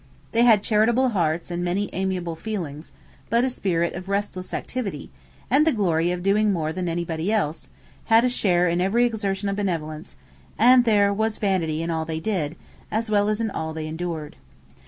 They had charitable hearts and many amiable feelings; but a spirit of restless activity, and the glory of doing more than anybody else, had a share in every exertion of benevolence, and there was vanity in all they did, as well as in all they endured.